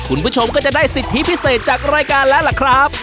คุณผู้ชมก็จะได้สิทธิพิเศษจากรายการแล้วล่ะครับ